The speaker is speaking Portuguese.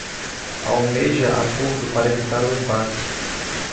Almeja acordo para evitar o embate